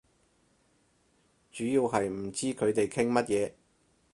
主要係唔知佢哋傾乜嘢